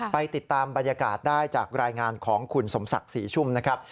ไปติดตามบรรยากาศได้จากรายงานของคุณสมศักดิ์ศรีชุ่มนะครับ